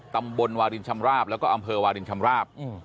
ตำบลวาลินชำราบแล้วก็อำเภอวาลินชำราบ